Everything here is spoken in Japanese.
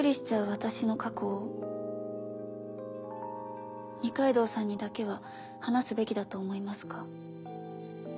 私の過去を二階堂さんにだけは話すべきだと思いますか？